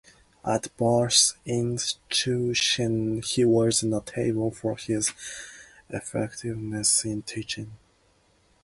At both institutions he was notable for his effectiveness in teaching.